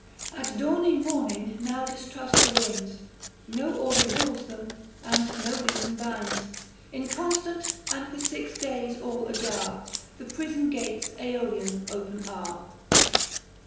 At dawning morning now distrust the winds ; No order rules them, and no reason binds ; Inconstant, — and for six days all ajar The prison gates iEolian open are.